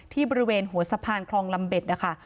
บริเวณหัวสะพานคลองลำเบ็ดนะคะ